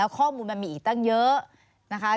ข้อมูลผมมีอีกตั้งเยอะ